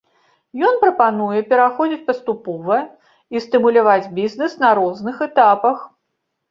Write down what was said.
Ён прапануе пераходзіць паступова і стымуляваць бізнес на розных этапах.